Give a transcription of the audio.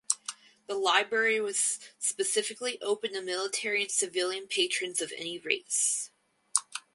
The library was specifically open to military and civilian patrons of any race.